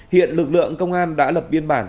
hiện lực lượng công an đã lập biên bản